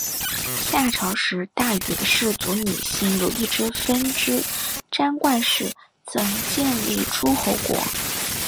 夏朝时大禹的氏族姒姓有一分支斟灌氏曾建立诸侯国。